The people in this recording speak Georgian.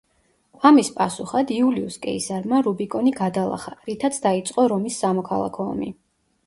ამის პასუხად იულიუს კეისარმა რუბიკონი გადალახა, რითაც დაიწყო რომის სამოქალაქო ომი.